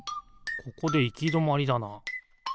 ここでいきどまりだな。